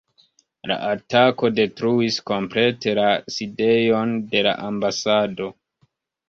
La atako detruis komplete la sidejon de la ambasado.